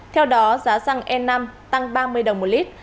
theo đó giá xăng e năm tăng ba mươi đồng một lít